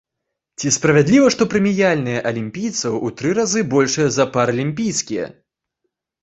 Ці справядліва, што прэміяльныя алімпійцаў у тры разы большыя за паралімпійскія?